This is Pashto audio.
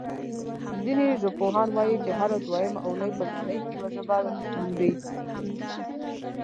ځینې ژبپوهان وايي چې هره دویمه اوونۍ په نړۍ کې یوه ژبه مري.